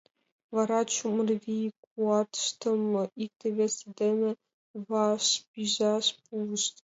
Вара чумыр вий-куатыштым икте-весе дене вашпижаш пуышт.